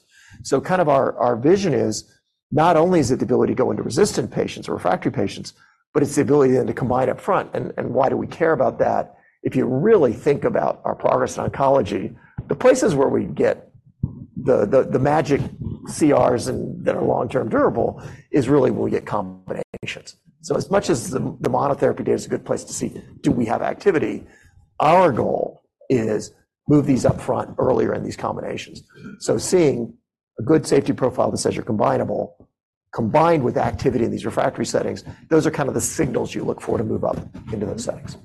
So kind of our vision is not only is it the ability to go into resistant patients or refractory patients, but it's the ability then to combine upfront. And why do we care about that? If you really think about our progress in oncology, the places where we get the magic CRs that are long-term durable is really when we get combinations. So as much as the monotherapy data is a good place to see, do we have activity? Our goal is to move these upfront earlier in these combinations. So seeing a good safety profile that says you're combinable, combined with activity in these refractory settings, those are kind of the signals you look for to move up into those settings.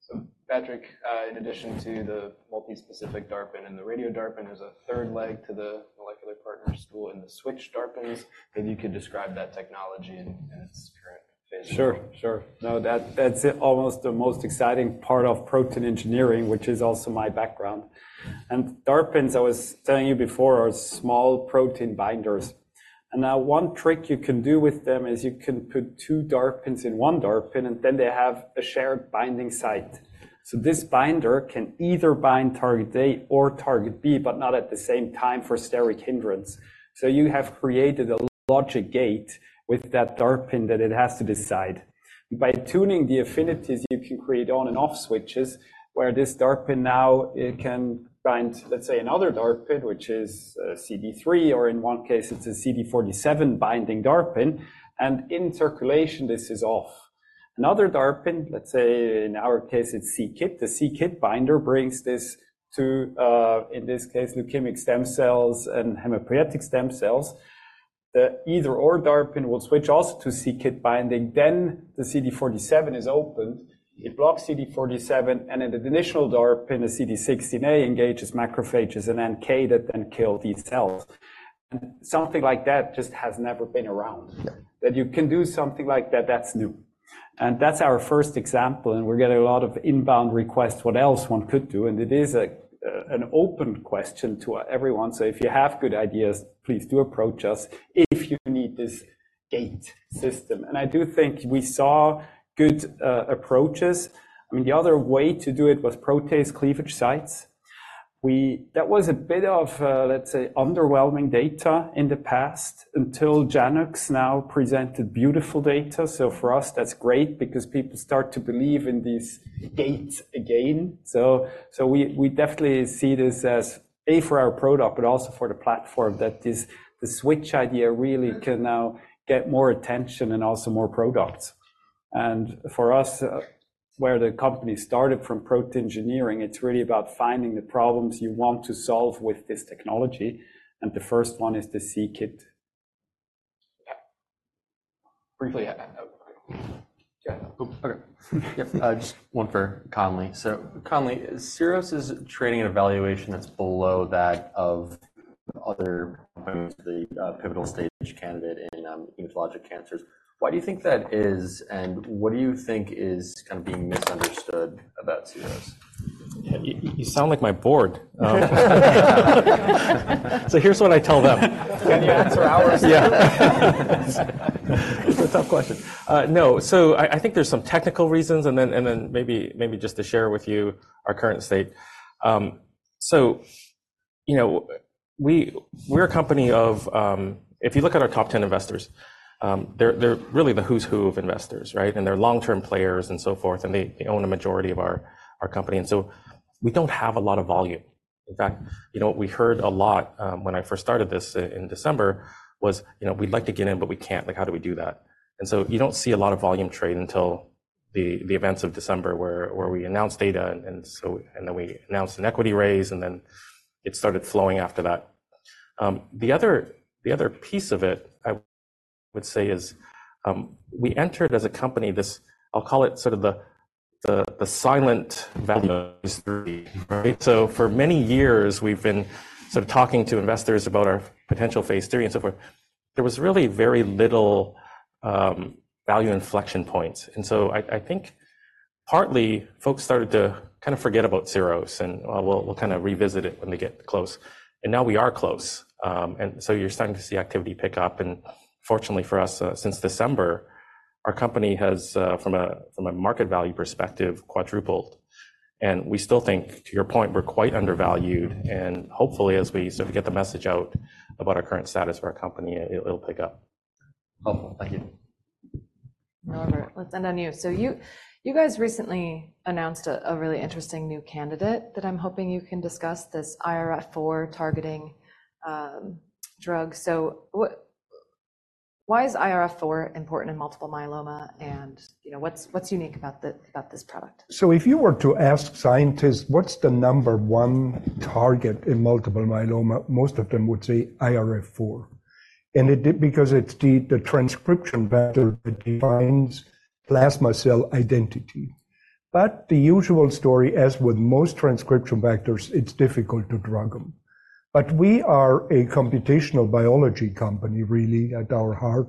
So, Patrick, in addition to the multispecific DARPin and the radio-DARPin, there's a third leg to the Molecular Partners' stool in the switched DARPins. Maybe you could describe that technology and its current phase. Sure. Sure. No, that's almost the most exciting part of protein engineering, which is also my background. And DARPins, I was telling you before, are small protein binders. And now one trick you can do with them is you can put two DARPins in one DARPin. And then they have a shared binding site. So this binder can either bind target A or target B, but not at the same time for steric hindrance. So you have created a logic gate with that DARPin that it has to decide. By tuning the affinities, you can create on-and-off switches where this DARPin now can bind, let's say, another DARPin, which is CD3, or in one case, it's a CD47 binding DARPin. And in circulation, this is off. Another DARPin, let's say in our case, it's c-Kit. The c-Kit binder brings this to, in this case, leukemic stem cells and hematopoietic stem cells. The either/or DARPin will switch also to c-KIT binding. Then the CD47 is opened. It blocks CD47. And in the additional DARPin, a CD16A engages macrophages and NK that then kill these cells. And something like that just has never been around. That you can do something like that, that's new. And that's our first example. And we're getting a lot of inbound requests what else one could do. And it is an open question to everyone. So if you have good ideas, please do approach us if you need this gate system. And I do think we saw good approaches. I mean, the other way to do it was protease cleavage sites. That was a bit of, let's say, underwhelming data in the past until Janux now presented beautiful data. For us, that's great because people start to believe in these gates again. We definitely see this as A for our product, but also for the platform that the switch idea really can now get more attention and also more products. For us, where the company started from protein engineering, it's really about finding the problems you want to solve with this technology. The first one is the c-Kit. Briefly. Yeah. Okay. Yep. Just one for Conley. So Conley, Syros is trading at an evaluation that's below that of other components, the pivotal stage candidate in hematologic cancers. Why do you think that is? And what do you think is kind of being misunderstood about Syros? You sound like my board. So here's what I tell them. Can you answer ours? Yeah. It's a tough question. No. So I think there's some technical reasons. And then maybe just to share with you our current state. So we're a company of if you look at our top 10 investors, they're really the who's who of investors, right? And they're long-term players and so forth. And they own a majority of our company. And so we don't have a lot of volume. In fact, what we heard a lot when I first started this in December was, "We'd like to get in, but we can't. How do we do that?" And so you don't see a lot of volume trade until the events of December where we announced data. And then we announced an equity raise. And then it started flowing after that. The other piece of it, I would say, is we entered as a company this I'll call it sort of the silent value phase III, right? So for many years, we've been sort of talking to investors about our potential phase III and so forth. There was really very little value inflection points. And so I think partly, folks started to kind of forget about Syros. And, "Well, we'll kind of revisit it when they get close." And now we are close. And so you're starting to see activity pick up. And fortunately for us, since December, our company has, from a market value perspective, quadrupled. And we still think, to your point, we're quite undervalued. And hopefully, as we sort of get the message out about our current status for our company, it'll pick up. Helpful. Thank you. Norbert, let's end on you. So you guys recently announced a really interesting new candidate that I'm hoping you can discuss, this IRF4 targeting drug. So why is IRF4 important in multiple myeloma? And what's unique about this product? So if you were to ask scientists, "What's the number one target in multiple myeloma?" most of them would say IRF4 because it's the transcription factor that defines plasma cell identity. But the usual story, as with most transcription factors, it's difficult to drug them. But we are a computational biology company, really, at our heart.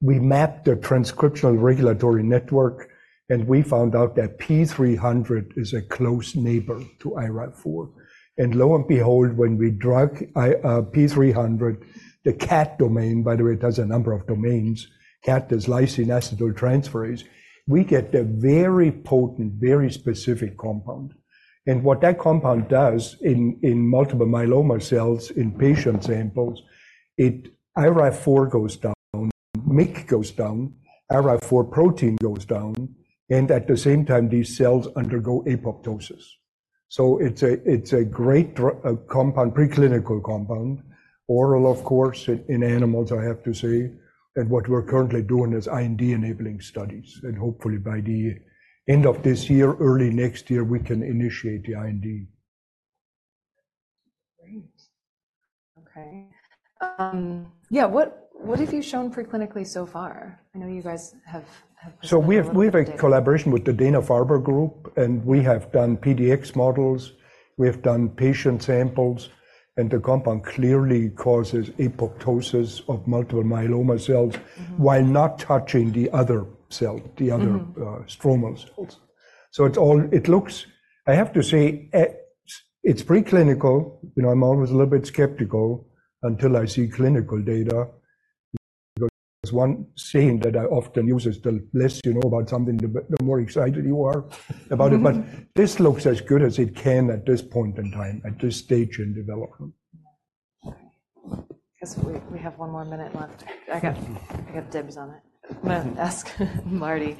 We map the transcriptional regulatory network. And we found out that P300 is a close neighbor to IRF4. And lo and behold, when we drug P300, the KAT domain, by the way, it has a number of domains. KAT is lysine acetyl transferase. We get a very potent, very specific compound. And what that compound does in multiple myeloma cells in patient samples, IRF4 goes down, MYC goes down, IRF4 protein goes down. And at the same time, these cells undergo apoptosis. It's a great compound, preclinical compound, oral, of course, in animals, I have to say. What we're currently doing is IND-enabling studies. Hopefully, by the end of this year, early next year, we can initiate the IND. Great. Okay. Yeah. What have you shown preclinically so far? I know you guys have presented. So we have a collaboration with the Dana-Farber Cancer Institute. We have done PDX models. We have done patient samples. The compound clearly causes apoptosis of multiple myeloma cells while not touching the other stromal cells. So it looks, I have to say, it's preclinical. I'm always a little bit skeptical until I see clinical data because one saying that I often use is, "The less you know about something, the more excited you are about it." But this looks as good as it can at this point in time, at this stage in development. Because we have one more minute left. I got dibs on it. I'm going to ask Marty,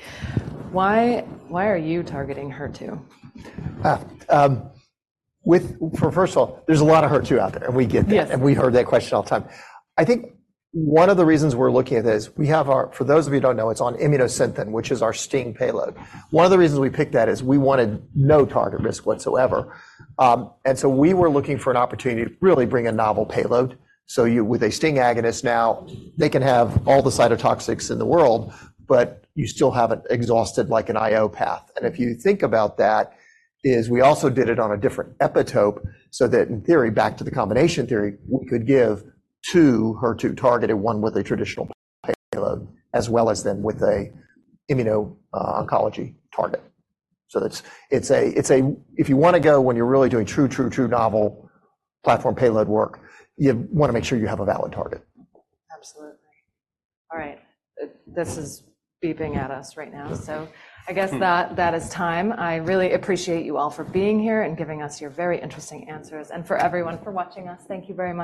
why are you targeting HER2? First of all, there's a lot of HER2 out there. We get that. We heard that question all the time. I think one of the reasons we're looking at this is we have our for those of you who don't know, it's on Immunosynthen, which is our STING payload. One of the reasons we picked that is we wanted no target risk whatsoever. So we were looking for an opportunity to really bring a novel payload. So with a STING agonist now, they can have all the cytotoxics in the world, but you still haven't exhausted an IO path. If you think about that is we also did it on a different epitope so that, in theory, back to the combination theory, we could give two HER2 targeted, one with a traditional payload, as well as then with an immuno-oncology target. If you want to go when you're really doing true, true, true novel platform payload work, you want to make sure you have a valid target. Absolutely. All right. This is beeping at us right now. So I guess that is time. I really appreciate you all for being here and giving us your very interesting answers. And for everyone for watching us, thank you very much.